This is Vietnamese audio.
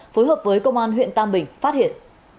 phối hợp với công an huyện tam bình phát hiện